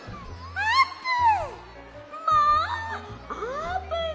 あーぷん。